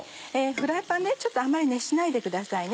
フライパンあんまり熱しないでくださいね。